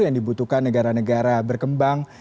yang dibutuhkan negara negara berkembang